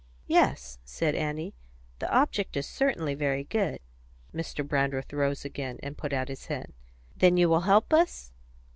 "Yes," said Annie, "the object is certainly very good." Mr. Brandreth rose again, and put out his hand. "Then you will help us?"